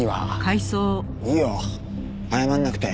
いいよ謝らなくて。